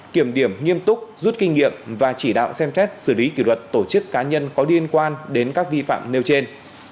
kiểm điểm nghiêm túc rút kinh nghiệm và chỉ đạo xem xét xử lý kỷ luật tổ chức cá nhân có liên quan đến các vi phạm nêu trên